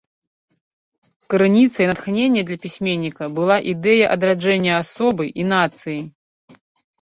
Крыніцай натхнення для пісьменніка была ідэя адраджэння асобы і нацыі.